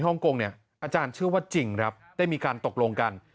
ฮ่องกงเนี่ยอาจารย์เชื่อว่าจริงครับได้มีการตกลงกัน